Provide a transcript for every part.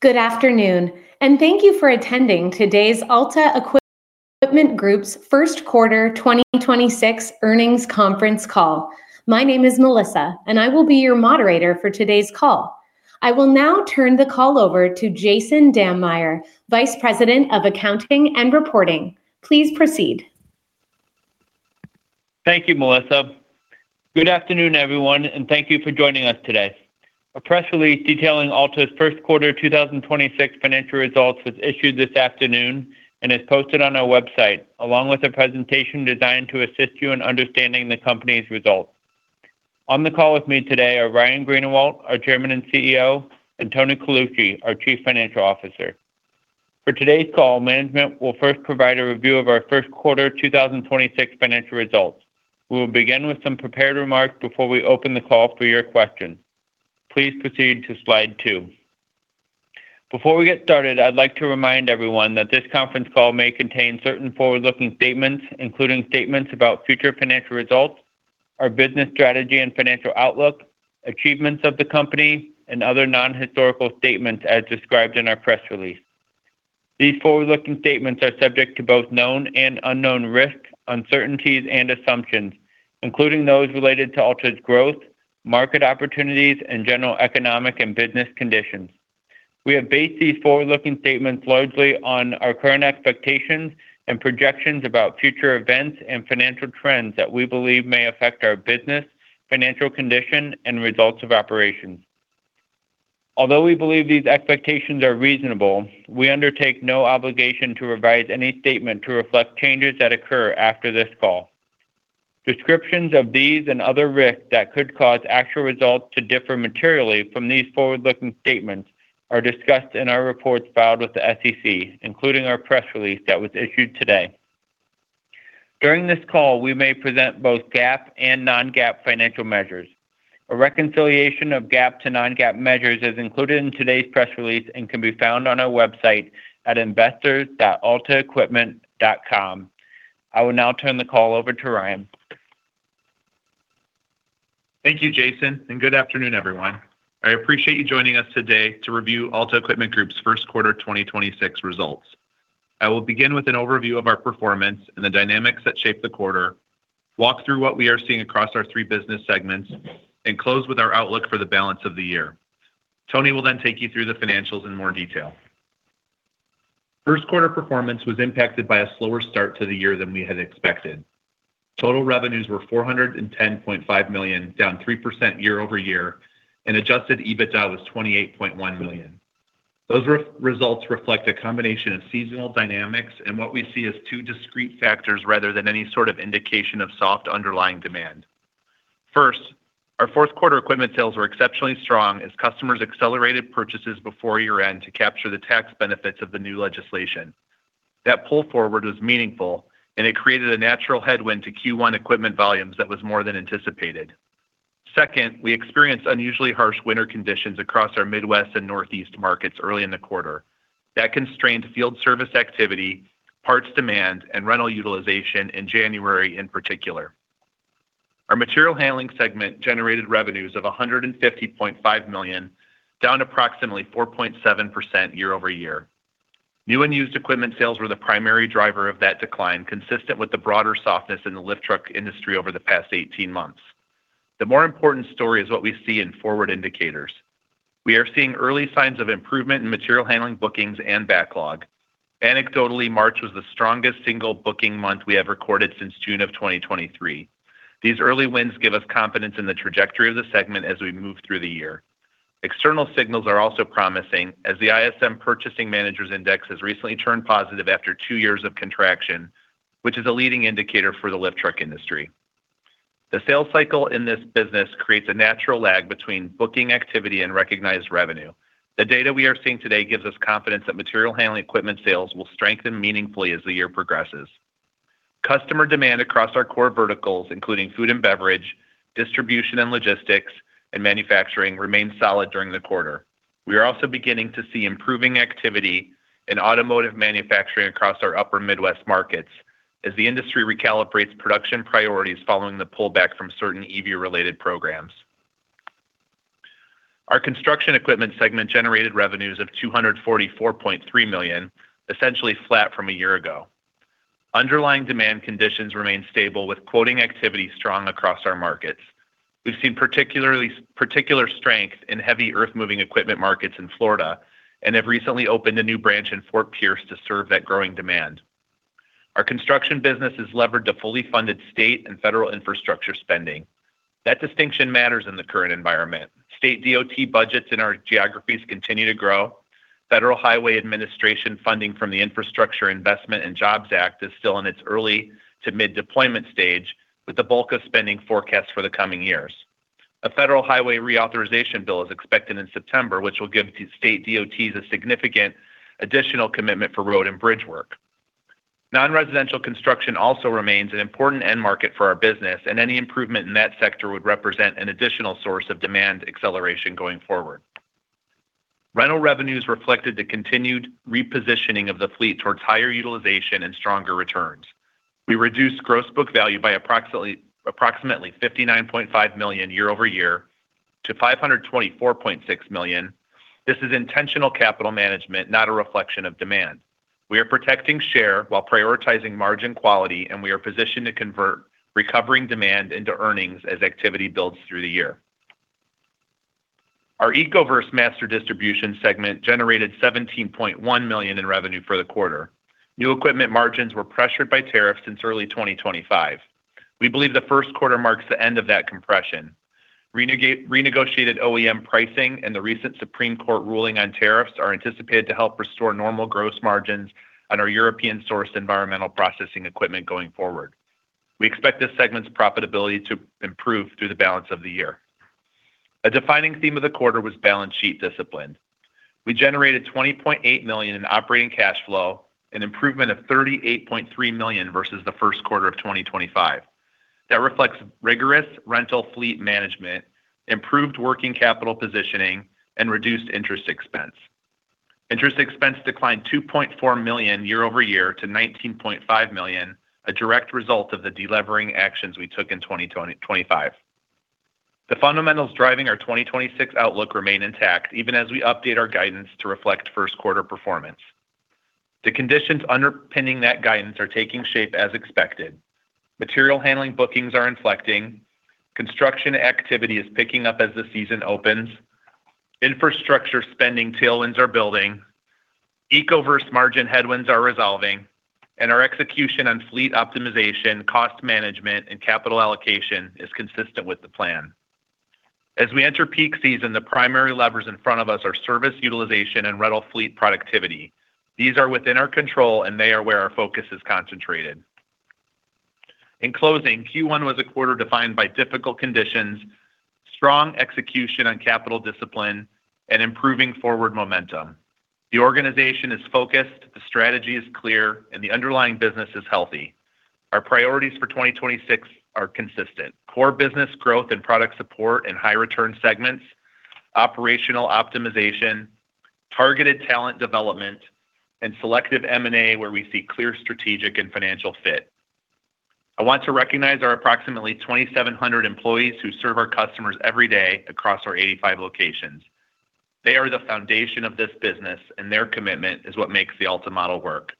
Good afternoon, and thank you for attending today's Alta Equipment Group's First Quarter 2026 Earnings Conference Call. My name is Melissa, and I will be your moderator for today's call. I will now turn the call over to Jason Dammeyer, Vice President of Accounting and Reporting. Please proceed. Thank you, Melissa. Good afternoon, everyone, and thank you for joining us today. A press release detailing Alta's first quarter 2026 financial results was issued this afternoon and is posted on our website, along with a presentation designed to assist you in understanding the company's results. On the call with me today are Ryan Greenawalt, our Chairman and CEO, and Tony Colucci, our Chief Financial Officer. For today's call, management will first provide a review of our first quarter 2026 financial results. We will begin with some prepared remarks before we open the call for your questions. Please proceed to slide two. Before we get started, I'd like to remind everyone that this conference call may contain certain forward-looking statements, including statements about future financial results, our business strategy and financial outlook, achievements of the company, and other non-historical statements as described in our press release. These forward-looking statements are subject to both known and unknown risks, uncertainties and assumptions, including those related to Alta's growth, market opportunities, and general economic and business conditions. We have based these forward-looking statements largely on our current expectations and projections about future events and financial trends that we believe may affect our business, financial condition, and results of operations. Although we believe these expectations are reasonable, we undertake no obligation to revise any statement to reflect changes that occur after this call. Descriptions of these and other risks that could cause actual results to differ materially from these forward-looking statements are discussed in our reports filed with the SEC, including our press release that was issued today. During this call, we may present both GAAP and non-GAAP financial measures. A reconciliation of GAAP to non-GAAP measures is included in today's press release and can be found on our website at investors.altaequipment.com. I will now turn the call over to Ryan. Thank you, Jason, and good afternoon, everyone. I appreciate you joining us today to review Alta Equipment Group's first quarter 2026 results. I will begin with an overview of our performance and the dynamics that shaped the quarter, walk through what we are seeing across our three business segments, and close with our outlook for the balance of the year. Tony will take you through the financials in more detail. First quarter performance was impacted by a slower start to the year than we had expected. Total revenues were $410.5 million, down 3% year-over-year, and adjusted EBITDA was $28.1 million. Those results reflect a combination of seasonal dynamics and what we see as two discrete factors rather than any sort of indication of soft underlying demand. First, our fourth quarter equipment sales were exceptionally strong as customers accelerated purchases before year-end to capture the tax benefits of the new legislation. It created a natural headwind to Q1 equipment volumes that was more than anticipated. Second, we experienced unusually harsh winter conditions across our Midwest and Northeast markets early in the quarter. That constrained field service activity, parts demand, and rental utilization in January in particular. Our Material Handling segment generated revenues of $150.5 million, down approximately 4.7% year-over-year. New and used equipment sales were the primary driver of that decline, consistent with the broader softness in the lift truck industry over the past 18 months. The more important story is what we see in forward indicators. We are seeing early signs of improvement in Material Handling bookings and backlog. Anecdotally, March was the strongest single booking month we have recorded since June of 2023. These early wins give us confidence in the trajectory of the segment as we move through the year. External signals are also promising as the ISM Purchasing Managers Index has recently turned positive after two years of contraction, which is a leading indicator for the lift truck industry. The sales cycle in this business creates a natural lag between booking activity and recognized revenue. The data we are seeing today gives us confidence that Material Handling equipment sales will strengthen meaningfully as the year progresses. Customer demand across our core verticals, including food and beverage, distribution and logistics, and manufacturing, remained solid during the quarter. We are also beginning to see improving activity in automotive manufacturing across our upper Midwest markets as the industry recalibrates production priorities following the pullback from certain EV related programs. Our Construction Equipment segment generated revenues of $244.3 million, essentially flat from a year ago. Underlying demand conditions remain stable with quoting activity strong across our markets. We've seen particular strength in heavy earthmoving equipment markets in Florida and have recently opened a new branch in Fort Pierce to serve that growing demand. Our construction business is levered to fully funded state and federal infrastructure spending. That distinction matters in the current environment. State DOT budgets in our geographies continue to grow. Federal Highway Administration funding from the Infrastructure Investment and Jobs Act is still in its early to mid-deployment stage, with the bulk of spending forecast for the coming years. A federal highway reauthorization bill is expected in September, which will give state DOTs a significant additional commitment for road and bridge work. Non-residential construction also remains an important end market for our business, and any improvement in that sector would represent an additional source of demand acceleration going forward. Rental revenues reflected the continued repositioning of the fleet towards higher utilization and stronger returns. We reduced gross book value by approximately $59.5 million year-over-year to $524.6 million. This is intentional capital management, not a reflection of demand. We are protecting share while prioritizing margin quality, and we are positioned to convert recovering demand into earnings as activity builds through the year. Our Ecoverse Master Distribution segment generated $17.1 million in revenue for the quarter. New equipment margins were pressured by tariffs since early 2025. We believe the first quarter marks the end of that compression. Renegotiated OEM pricing and the recent Supreme Court ruling on tariffs are anticipated to help restore normal gross margins on our European-sourced environmental processing equipment going forward. We expect this segment's profitability to improve through the balance of the year. A defining theme of the quarter was balance sheet discipline. We generated $20.8 million in operating cash flow, an improvement of $38.3 million versus the first quarter of 2025. That reflects rigorous rental fleet management, improved working capital positioning, and reduced interest expense. Interest expense declined $2.4 million year-over-year to $19.5 million, a direct result of the delevering actions we took in 2025. The fundamentals driving our 2026 outlook remain intact, even as we update our guidance to reflect first quarter performance. The conditions underpinning that guidance are taking shape as expected. Material Handling bookings are inflecting. Construction activity is picking up as the season opens. Infrastructure spending tailwinds are building. Ecoverse margin headwinds are resolving. Our execution on fleet optimization, cost management, and capital allocation is consistent with the plan. As we enter peak season, the primary levers in front of us are service utilization and rental fleet productivity. These are within our control, and they are where our focus is concentrated. In closing, Q1 was a quarter defined by difficult conditions, strong execution on capital discipline, and improving forward momentum. The organization is focused, the strategy is clear, and the underlying business is healthy. Our priorities for 2026 are consistent: core business growth and product support in high return segments, operational optimization, targeted talent development, and selective M&A where we see clear strategic and financial fit. I want to recognize our approximately 2,700 employees who serve our customers every day across our 85 locations. They are the foundation of this business, and their commitment is what makes the Alta model work.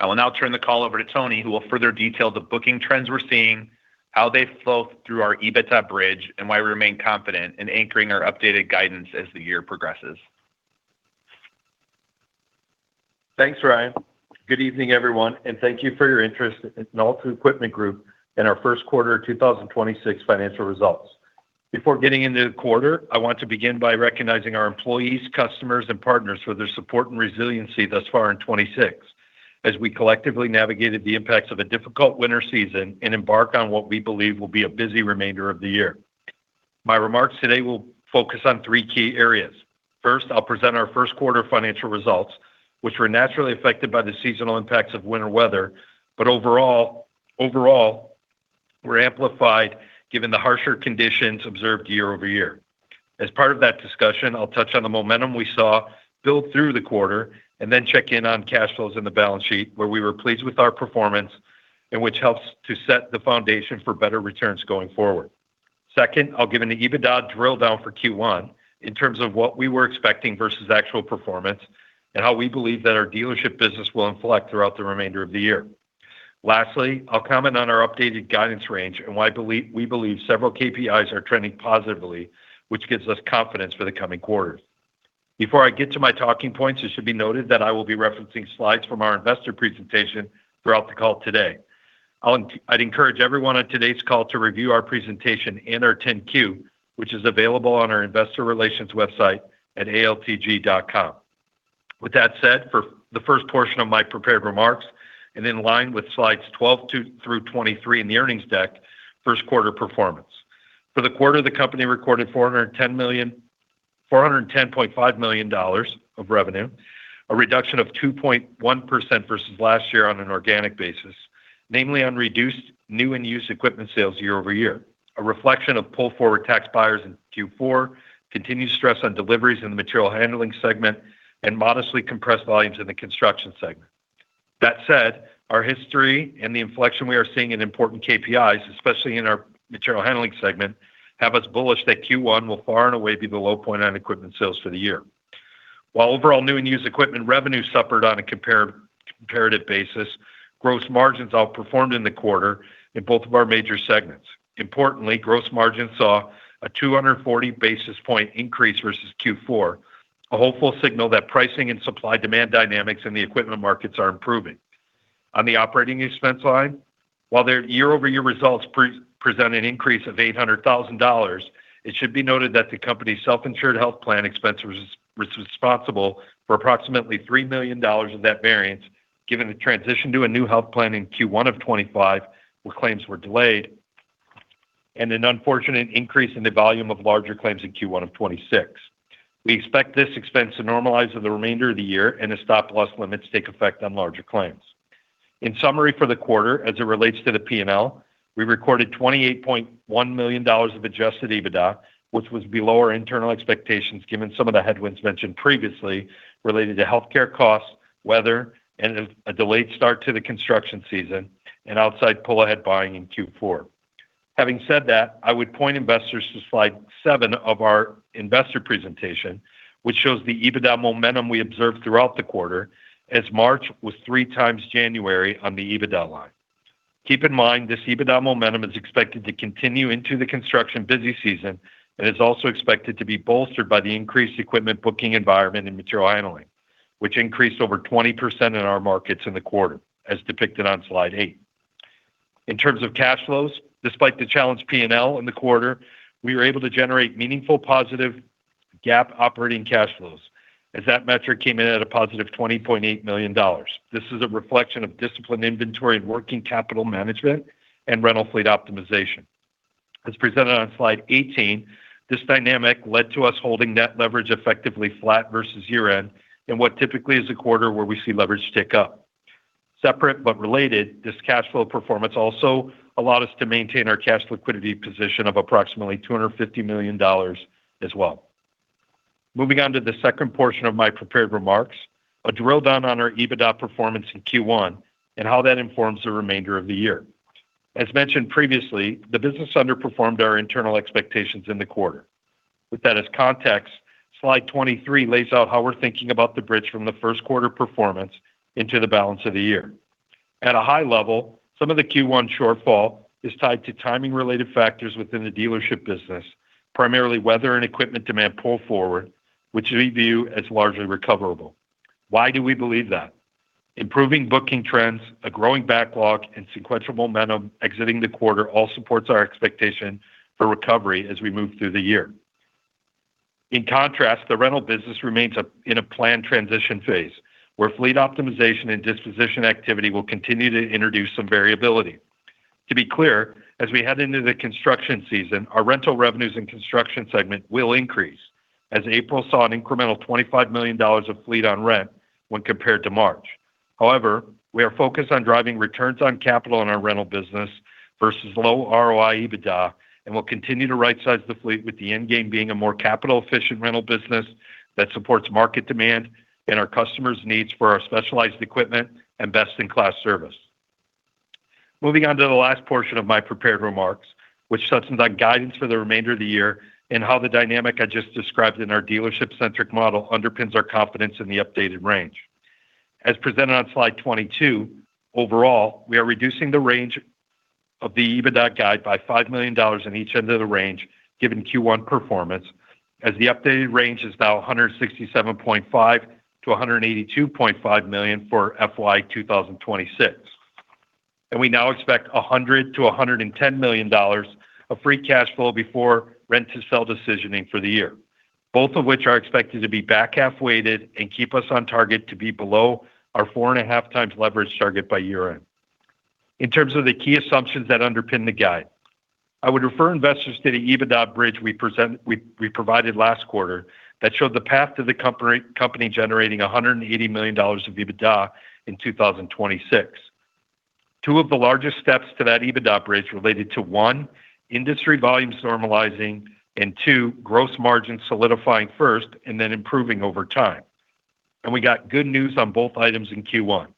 I will now turn the call over to Tony, who will further detail the booking trends we're seeing, how they flow through our EBITDA bridge, and why we remain confident in anchoring our updated guidance as the year progresses. Thanks, Ryan. Good evening, everyone, thank you for your interest in Alta Equipment Group and our first quarter 2026 financial results. Before getting into the quarter, I want to begin by recognizing our employees, customers, and partners for their support and resiliency thus far in 2026, as we collectively navigated the impacts of a difficult winter season and embark on what we believe will be a busy remainder of the year. My remarks today will focus on three key areas. First, I'll present our first quarter financial results, which were naturally affected by the seasonal impacts of winter weather, but overall were amplified given the harsher conditions observed year-over-year. As part of that discussion, I'll touch on the momentum we saw build through the quarter and then check in on cash flows in the balance sheet, where we were pleased with our performance and which helps to set the foundation for better returns going forward. Second, I'll give an EBITDA drill down for Q1 in terms of what we were expecting versus actual performance and how we believe that our dealership business will inflect throughout the remainder of the year. Lastly, I'll comment on our updated guidance range and why we believe several KPIs are trending positively, which gives us confidence for the coming quarters. Before I get to my talking points, it should be noted that I will be referencing slides from our investor presentation throughout the call today. I'd encourage everyone on today's call to review our presentation and our 10-Q, which is available on our investor relations website at altg.com. With that said, for the first portion of my prepared remarks and in line with slides 12 through 23 in the earnings deck, first quarter performance. For the quarter, the company recorded $410.5 million of revenue, a reduction of 2.1% versus last year on an organic basis, namely on reduced new and used equipment sales year-over-year, a reflection of pull forward tax buyers in Q4, continued stress on deliveries in the Material Handling segment, and modestly compressed volumes in the Construction Equipment segment. That said, our history and the inflection we are seeing in important KPIs, especially in our Material Handling segment, have us bullish that Q1 will far and away be the low point on equipment sales for the year. While overall new and used equipment revenue suffered on a comparative basis, gross margins outperformed in the quarter in both of our major segments. Importantly, gross margins saw a 240 basis point increase versus Q4, a hopeful signal that pricing and supply-demand dynamics in the equipment markets are improving. On the operating expense line, while their year-over-year results present an increase of $800,000, it should be noted that the company's self-insured health plan expense was responsible for approximately $3 million of that variance, given the transition to a new health plan in Q1 of 2025 where claims were delayed and an unfortunate increase in the volume of larger claims in Q1 of 2026. We expect this expense to normalize for the remainder of the year and as stop-loss limits take effect on larger claims. In summary for the quarter as it relates to the P&L. We recorded $28.1 million of adjusted EBITDA, which was below our internal expectations given some of the headwinds mentioned previously related to healthcare costs, weather, and a delayed start to the construction season and outside pull-ahead buying in Q4. Having said that, I would point investors to slide seven of our investor presentation, which shows the EBITDA momentum we observed throughout the quarter as March was 3x January on the EBITDA line. Keep in mind, this EBITDA momentum is expected to continue into the construction busy season and is also expected to be bolstered by the increased equipment booking environment in Material Handling, which increased over 20% in our markets in the quarter, as depicted on slide eight. In terms of cash flows, despite the challenged P&L in the quarter, we were able to generate meaningful positive GAAP operating cash flows, as that metric came in at a positive $20.8 million. This is a reflection of disciplined inventory and working capital management and rental fleet optimization. As presented on slide 18, this dynamic led to us holding net leverage effectively flat versus year-end in what typically is a quarter where we see leverage tick up. Separate but related, this cash flow performance also allowed us to maintain our cash liquidity position of approximately $250 million as well. Moving on to the second portion of my prepared remarks, a drill down on our EBITDA performance in Q1 and how that informs the remainder of the year. As mentioned previously, the business underperformed our internal expectations in the quarter. With that as context, slide 23 lays out how we're thinking about the bridge from the first quarter performance into the balance of the year. At a high level, some of the Q1 shortfall is tied to timing-related factors within the dealership business, primarily weather and equipment demand pull forward, which we view as largely recoverable. Why do we believe that? Improving booking trends, a growing backlog, and sequential momentum exiting the quarter all supports our expectation for recovery as we move through the year. In contrast, the rental business remains in a planned transition phase where fleet optimization and disposition activity will continue to introduce some variability. To be clear, as we head into the construction season, our rental revenues and Construction segment will increase, as April saw an incremental $25 million of fleet on rent when compared to March. However, we are focused on driving returns on capital in our rental business versus low ROI EBITDA and will continue to right-size the fleet with the end game being a more capital-efficient rental business that supports market demand and our customers' needs for our specialized equipment and best-in-class service. Moving on to the last portion of my prepared remarks, which touches on guidance for the remainder of the year and how the dynamic I just described in our dealership-centric model underpins our confidence in the updated range. As presented on slide 22, overall, we are reducing the range of the EBITDA guide by $5 million on each end of the range given Q1 performance, as the updated range is now $167.5 million-$182.5 million for FY 2026. We now expect $100 million-$110 million of free cash flow before rent to sell decisioning for the year, both of which are expected to be back half weighted and keep us on target to be below our 4.5x leverage target by year-end. In terms of the key assumptions that underpin the guide, I would refer investors to the EBITDA bridge we provided last quarter that showed the path to the company generating $180 million of EBITDA in 2026. Two of the largest steps to that EBITDA bridge related to, one, industry volumes normalizing and two, gross margin solidifying first and then improving over time. We got good news on both items in Q1.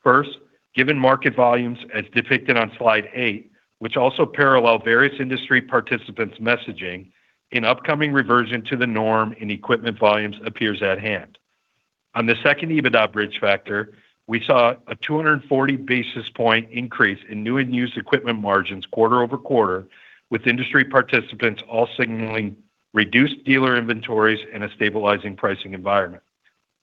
First, given market volumes as depicted on slide eight, which also parallel various industry participants' messaging, an upcoming reversion to the norm in equipment volumes appears at hand. On the second EBITDA bridge factor, we saw a 240 basis point increase in new and used equipment margins quarter-over-quarter, with industry participants all signaling reduced dealer inventories and a stabilizing pricing environment.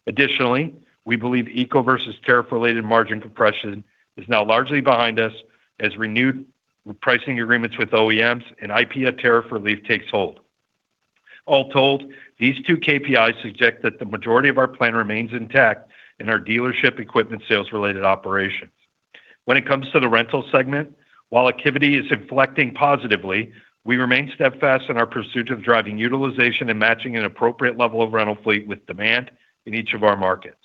Additionally, we believe Ecoverse tariff-related margin compression is now largely behind us as renewed pricing agreements with OEMs and IEEPA tariff relief takes hold. All told, these two KPIs suggest that the majority of our plan remains intact in our dealership equipment sales-related operations. When it comes to the rental segment, while activity is inflecting positively, we remain steadfast in our pursuit of driving utilization and matching an appropriate level of rental fleet with demand in each of our markets.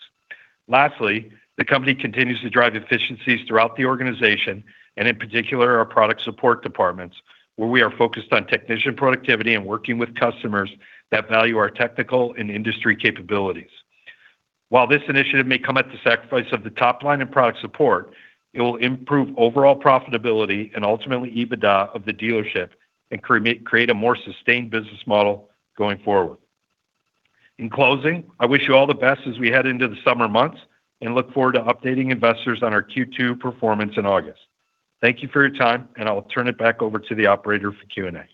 Lastly, the company continues to drive efficiencies throughout the organization and in particular our product support departments, where we are focused on technician productivity and working with customers that value our technical and industry capabilities. While this initiative may come at the sacrifice of the top line and product support, it will improve overall profitability and ultimately EBITDA of the dealership and create a more sustained business model going forward. In closing, I wish you all the best as we head into the summer months and look forward to updating investors on our Q2 performance in August. Thank you for your time, I will turn it back over to the operator for Q&A.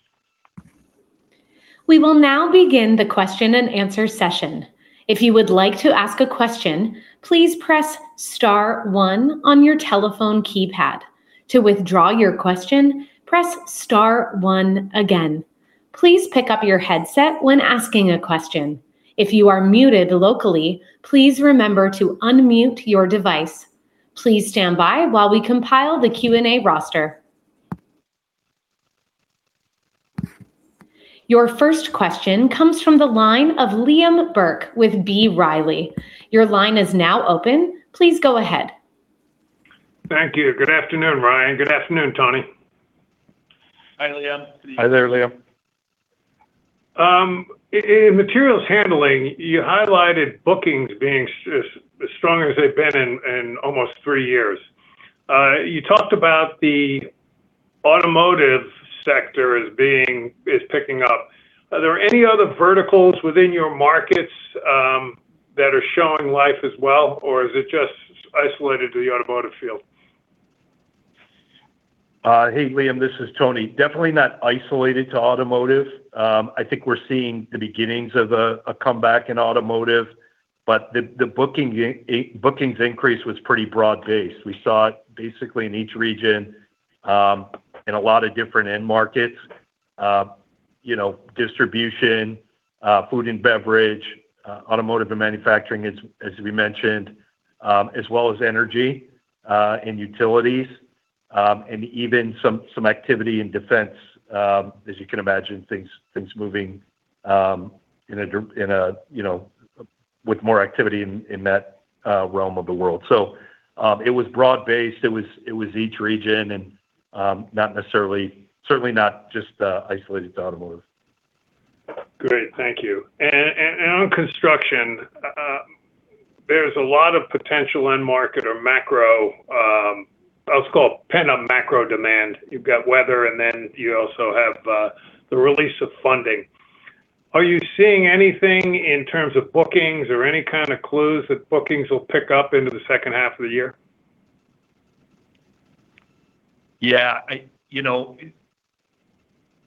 We'll now begin the question and answer session. If you would like to ask a question, please press star one on your telephone keypad. To withdraw your question, press star one again. Please pick up your headset when asking a question. If you are muted locally, please remember to unmute your device. Please stand by while we compile the Q&A roster. Your first question comes from the line of Liam Burke with B. Riley. Your line is now open. Please go ahead. Thank you. Good afternoon, Ryan. Good afternoon, Tony. Hi, Liam. Hi there, Liam. In Material Handling, you highlighted bookings being as strong as they've been in almost three years. You talked about the automotive sector is picking up. Are there any other verticals within your markets that are showing life as well, or is it just isolated to the automotive field? Hey, Liam, this is Tony. Definitely not isolated to automotive. I think we're seeing the beginnings of a comeback in automotive, but the bookings increase was pretty broad-based. We saw it basically in each region, in a lot of different end markets. You know, distribution, food and beverage, automotive and manufacturing as we mentioned, as well as energy and utilities, and even some activity in defense. As you can imagine, things moving in a, you know, with more activity in that realm of the world. It was broad-based. It was each region and certainly not just isolated to automotive. Great. Thank you. On construction, there's a lot of potential end market or macro, let's call it pent-up macro demand. You've got weather. Then you also have the release of funding. Are you seeing anything in terms of bookings or any kind of clues that bookings will pick up into the second half of the year? Yeah. You know,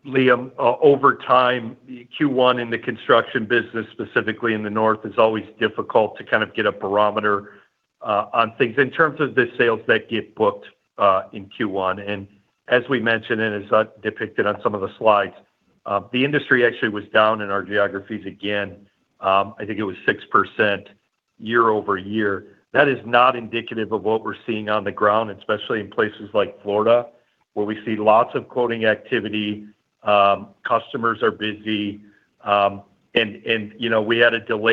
Liam, over time, Q1 in the construction business, specifically in the north, is always difficult to kind of get a barometer on things in terms of the sales that get booked in Q1. As we mentioned, and as depicted on some of the slides, the industry actually was down in our geographies again, I think it was 6% year-over-year. That is not indicative of what we're seeing on the ground, especially in places like Florida, where we see lots of quoting activity, customers are busy. You know,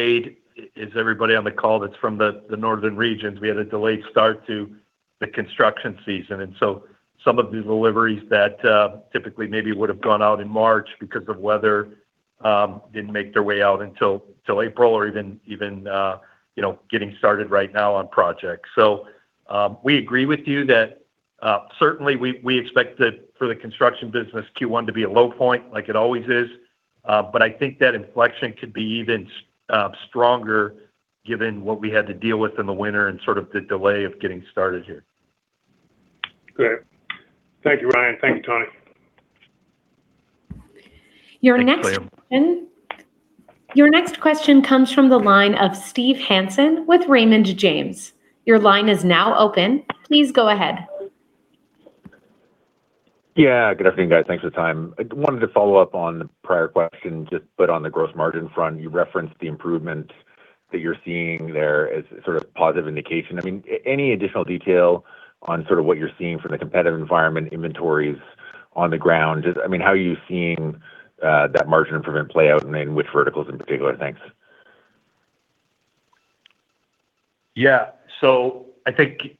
is everybody on the call that's from the northern regions? We had a delayed start to the construction season. Some of the deliveries that typically maybe would have gone out in March because of weather didn't make their way out until April or even, you know, getting started right now on projects. We agree with you that certainly we expect that for the construction business Q1 to be a low point like it always is. I think that inflection could be even stronger given what we had to deal with in the winter and sort of the delay of getting started here. Great. Thank you, Ryan. Thank you, Tony. Thanks, Liam. Your next question comes from the line of Steve Hansen with Raymond James. Your line is now open. Please go ahead. Yeah. Good afternoon, guys. Thanks for the time. I wanted to follow up on the prior question, but on the gross margin front. You referenced the improvement that you're seeing there as sort of positive indication. I mean, any additional detail on sort of what you're seeing from the competitive environment inventories on the ground? Just, I mean, how are you seeing that margin improvement play out and in which verticals in particular? Thanks. Yeah. I think,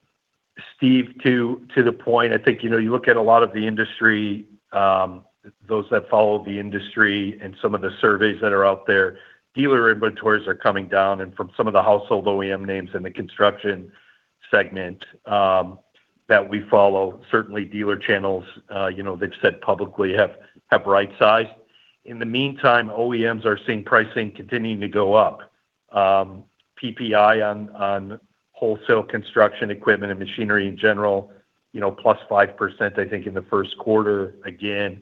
Steve, to the point, I think, you know, you look at a lot of the industry, those that follow the industry and some of the surveys that are out there. Dealer inventories are coming down from some of the household OEM names in the Construction segment that we follow. Certainly, dealer channels, you know, they've said publicly have rightsized. In the meantime, OEMs are seeing pricing continuing to go up. PPI on wholesale construction equipment and machinery in general, you know, +5%, I think, in the first quarter. Again,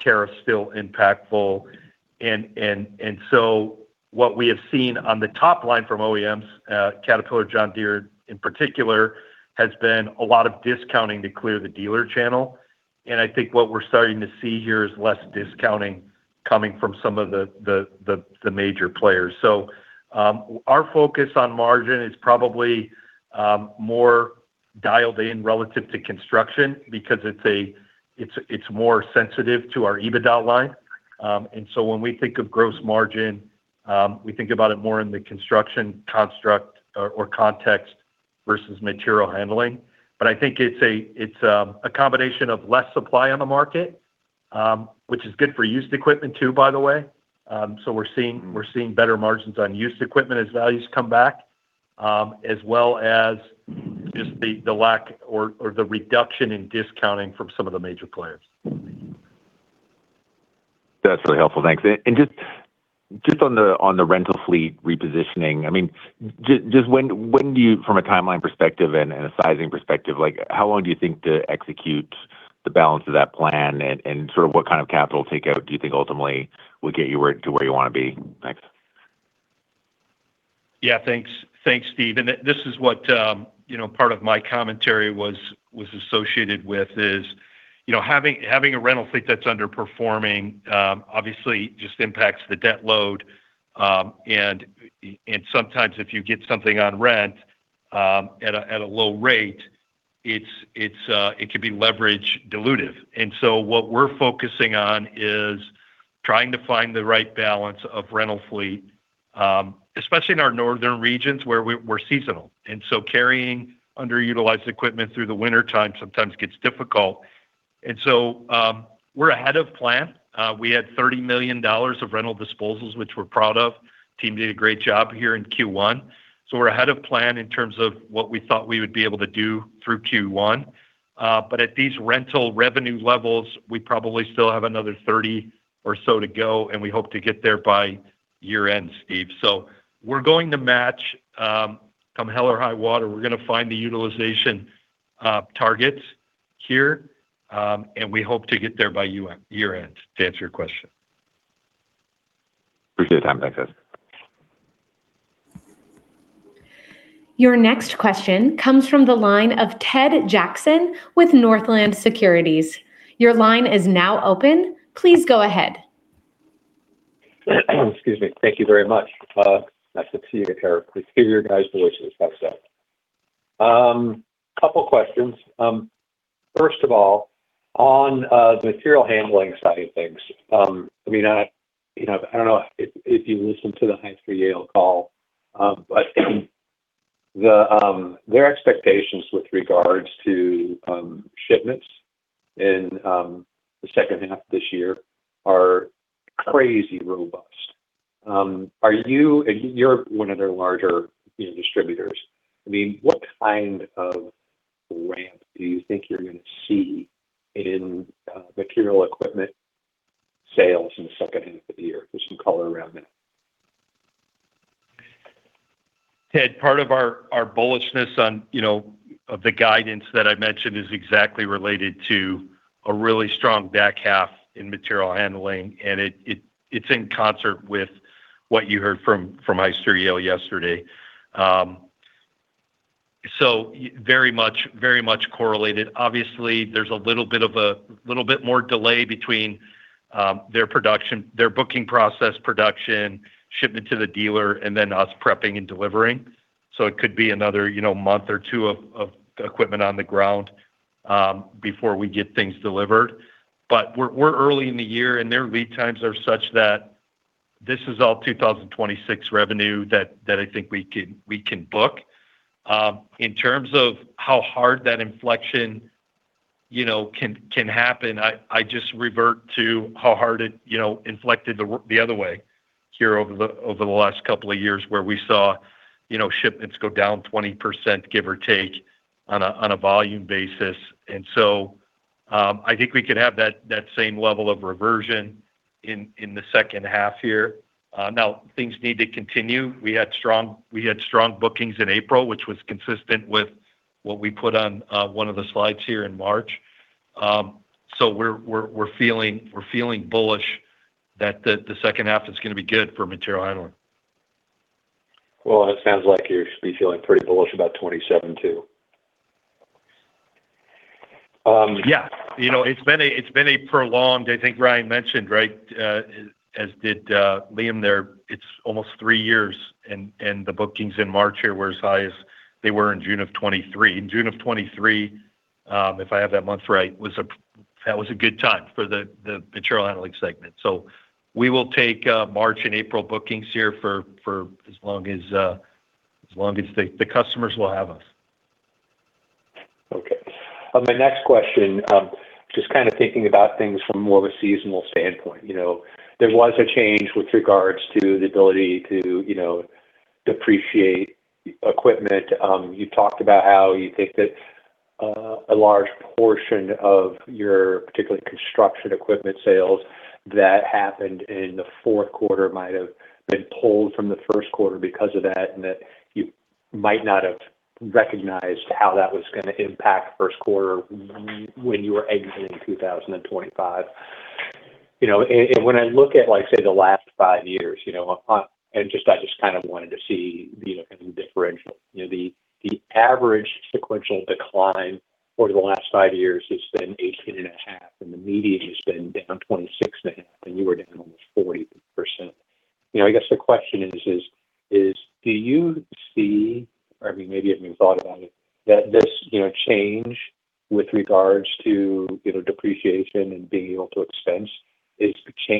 tariffs still impactful. What we have seen on the top line from OEMs, Caterpillar and John Deere in particular, has been a lot of discounting to clear the dealer channel. I think what we're starting to see here is less discounting coming from some of the major players. So, our focus on margin is probably more dialed in relative to construction because it's more sensitive to our EBITDA line. When we think of gross margin, we think about it more in the Construction construct or context versus Material Handling. But, I think it's a combination of less supply on the market, which is good for used equipment too, by the way. We're seeing better margins on used equipment as values come back, as well as just the lack or the reduction in discounting from some of the major players. That's really helpful. Thanks. Just on the rental fleet repositioning, I mean, just when do you from a timeline perspective and a sizing perspective, like how long do you think to execute the balance of that plan and sort of what kind of capital takeout do you think ultimately will get you to where you want to be? Thanks. Yeah, thanks. Thanks, Steve. This is what, you know, part of my commentary was associated with is, you know, having a rental fleet that's underperforming, obviously just impacts the debt load. And sometimes if you get something on rent at a low rate. It's, it could be leverage dilutive. What we're focusing on is trying to find the right balance of rental fleet, especially in our northern regions where we're seasonal. Carrying underutilized equipment through the wintertime sometimes gets difficult, and so, we're ahead of plan. We had $30 million of rental disposals, which we're proud of. Team did a great job here in Q1. We're ahead of plan in terms of what we thought we would be able to do through Q1. But at these rental revenue levels, we probably still have another 30 or so to go, and we hope to get there by year end, Steve. we're going to match, come hell or high water, we're gonna find the utilization targets here, and we hope to get there by year end, to answer your question. Appreciate the time, thanks guys. Your next question comes from the line of Ted Jackson with Northland Securities. Your line is now open. Please go ahead. Excuse me. Thank you very much. Nice to. Please hear your guys' voices. That's that. A couple questions. First of all, on the Material Handling side of things, I mean, I, you know, I don't know if you listen to the Hyster-Yale call, their expectations with regards to shipments in the second half of this year are crazy robust. Are you—and you're one of their larger, you know, distributors. I mean, what kind of ramp do you think you're gonna see it in material equipment sales in the second half of the year? There's some color around that. Ted, part of our bullishness on, you know, of the guidance that I mentioned is exactly related to a really strong back half in Material Handling, and it's in concert with what you heard from Hyster-Yale yesterday. So, very much correlated. Obviously, there's a little bit more delay between their production, their booking process production, shipment to the dealer, and then us prepping and delivering. It could be another, you know, month or two of equipment on the ground before we get things delivered. We're early in the year, and their lead times are such that this is all 2026 revenue that I think we can book. In terms of how hard that inflection, you know, can happen, I just revert to how hard it, you know, inflected the other way here over the last couple of years, where we saw, you know, shipments go down 20% give or take on a volume basis. And so, I think we could have that same level of reversion in the second half here. Now, things need to continue. We had strong bookings in April, which was consistent with what we put on, one of the slides here in March. We're feeling bullish that the second half is gonna be good for Material Handling. Well, it sounds like you should be feeling pretty bullish about 2027 too. Yeah. You know, it's been a prolonged, I think Ryan mentioned, right, as did Liam there, it's almost three years. The bookings in March here were as high as they were in June of 2023. In June of 2023, if I have that month right, that was a good time for the Material Handling segment. We will take March and April bookings here for as long as the customers will have us. Okay. My next question, just kind of thinking about things from more of a seasonal standpoint. You know, there was a change with regards to the ability to, you know, depreciate equipment. You talked about how you think that a large portion of your particularly Construction Equipment sales that happened in the fourth quarter might have been pulled from the first quarter because of that, and that you might not have recognized how that was gonna impact first quarter when you were exiting 2025. You know, when I look at, like, say, the last five years, you know, I just kind of wanted to see, you know, kind of the differential. You know, the average sequential decline over the last five years has been 18.5, and the median has been down 26.5, and you were down almost 40%. You know, I guess the question is, do you see, or I mean, maybe you haven't even thought about it, that this, you know, change with regards to, you know, depreciation and being able to expense is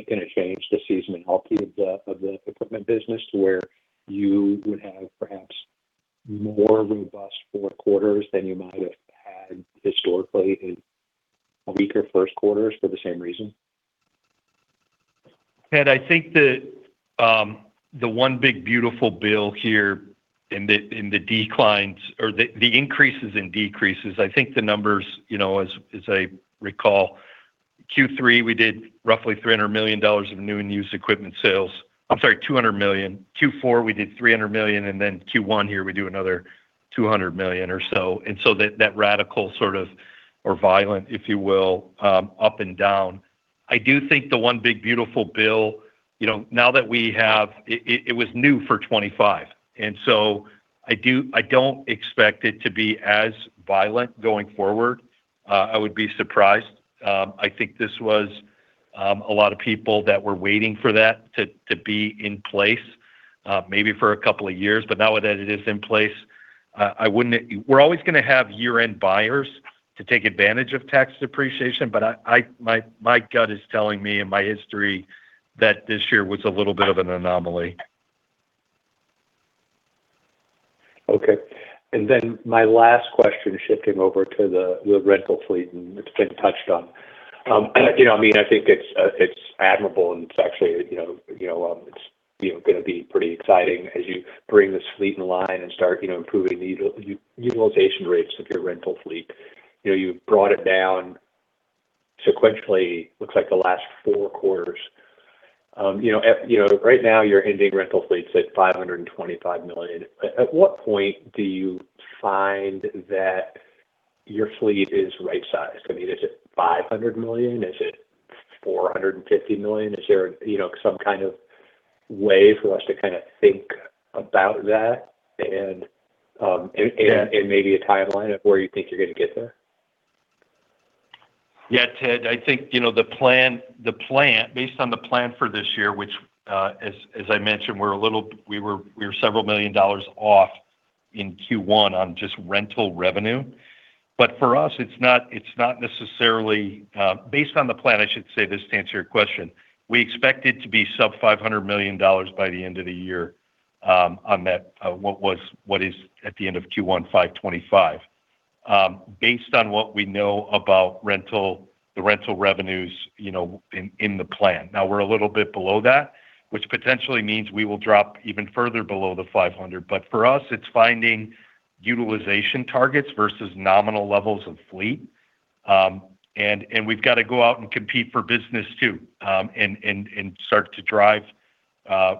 gonna change the seasonal health of the equipment business to where you would have perhaps more robust four quarters than you might have had historically in weaker first quarters for the same reason? Ted, I think that the One Big Beautiful Bill here in the, in the declines or the increases and decreases, I think the numbers, you know, as I recall, Q3, we did roughly $300 million of new and used equipment sales. I'm sorry, $200 million. Q4, we did $300 million, then Q1 here, we do another $200 million or so. So, that radical sort of, or violent, if you will, up and down. I do think the One Big Beautiful Bill, you know, now that we have it was new for 2025. I don't expect it to be as violent going forward. I would be surprised. I think that was, a lot of people that were waiting for that to be in place, maybe for a couple of years. Now that it is in place, we're always gonna have year-end buyers to take advantage of tax depreciation, but my gut is telling me and my history that this year was a little bit of an anomaly. Okay. And then, my last question, shifting over to the rental fleet, it's been touched on. You know, I mean, I think it's admirable and it's actually, you know, it's going to be pretty exciting as you bring this fleet in line and start, you know, improving the utilization rates of your rental fleet. You know, you brought it down sequentially, looks like the last four quarters. You know, right now you're ending rental fleets at $525 million. At what point do you find that your fleet is right sized? I mean, is it $500 million? Is it $450 million? Is there, you know, some kind of way for us to kind of think about that and maybe a timeline of where you think you're gonna get there? Yeah, Ted, I think, you know, the plan—based on the plan for this year, which, as I mentioned, we were several million dollars off in Q1 on just rental revenue. But for us, it's not necessarily—based on the plan, I should say this to answer your question, we expect it to be sub $500 million by the end of the year, on that, what was, what is at the end of Q1 $525 million, based on what we know about rental, the rental revenues, you know, in the plan. We're a little bit below that, which potentially means we will drop even further below the $500 million. For us, it's finding utilization targets versus nominal levels of fleet. We've got to go out and compete for business too, and start to drive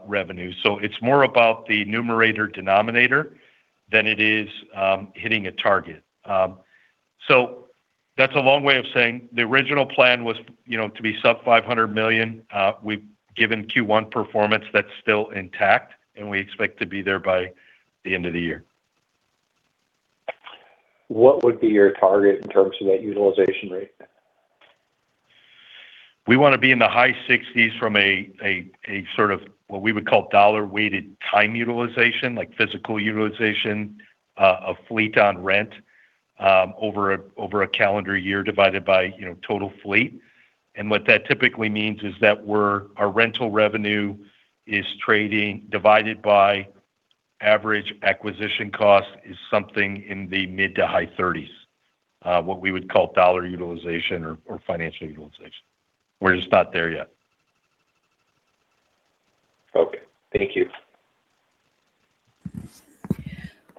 revenue. It's more about the numerator denominator than it is hitting a target. So, that's a long way of saying the original plan was, you know, to be sub $500 million. We've given Q1 performance that's still intact, and we expect to be there by the end of the year. What would be your target in terms of that utilization rate? We wanna be in the high 60s from a sort of what we would call dollar-weighted time utilization, like physical utilization, of fleet on rent, over a calendar year divided by, you know, total fleet. What that typically means is that our rental revenue is trading divided by average acquisition cost is something in the mid-to-high 30s, what we would call dollar utilization or financial utilization. We're just not there yet. Okay. Thank you.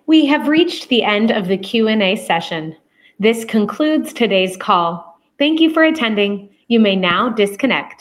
We have reached the end of the Q&A session. This concludes today's call. Thank you for attending. You may now disconnect.